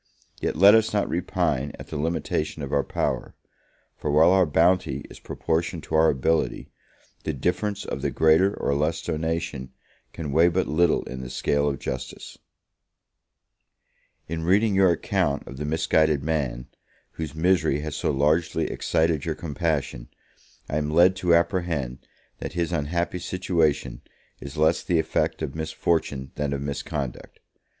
yet let us not repine at the limitation of our power; for while our bounty is proportioned to our ability, the difference of the greater or less donation can weigh but little in the scale of justice. In reading your account of the misguided man, whose misery has so largely excited your compassion, I am led to apprehend that his unhappy situation is less the effect of misfortune than of misconduct.